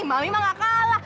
mami mah nggak kalah